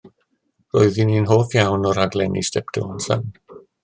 Roeddwn i'n hoff iawn o'r rhaglenni Steptoe and son.